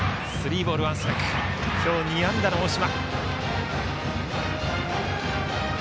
今日２安打の大島。